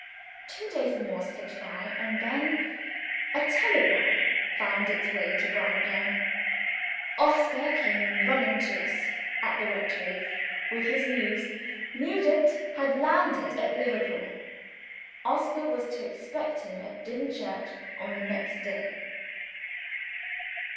Two days more slipped by and then a telegram found its way to Browndown. Oscar came running to us, at the rectory, with his news. Nugent had landed at Liverpool. Oscar was to expect him at Dimchurch on the next day.